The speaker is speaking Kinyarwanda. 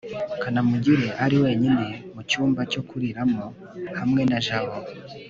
kanamugire ari wenyine mu cyumba cyo kuriramo hamwe na jabo